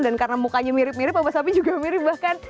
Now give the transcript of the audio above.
dan karena mukanya mirip mirip obat sapi juga mirip bahkan